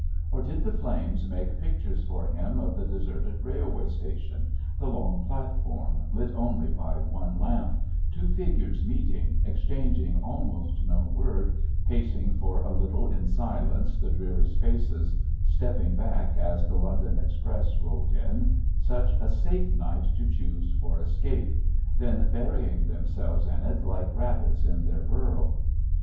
Or did the flames make pictures for him of the deserted railway station, the long platform, lit only by one lamp, two figures meeting, exchanging almost no word, pacing for a little in silence the dreary spaces, stepping back as the London express rolled in such a safe night to choose for escape then burying themselves in it like rabbits in their burrow?